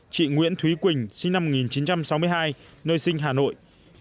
chị nguyễn thúy quỳnh sinh năm một nghìn chín trăm sáu mươi hai nơi sinh hà nội